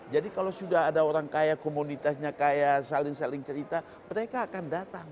jadi kalau sudah ada orang kaya komunitasnya kaya saling saling cerita mereka akan datang